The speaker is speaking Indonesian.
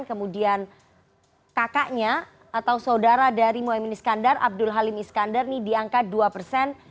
kemudian kakaknya atau saudara dari mohaimin iskandar abdul halim iskandar ini di angka dua persen